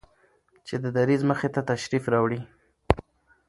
چې د دريځ مخې ته تشریف راوړي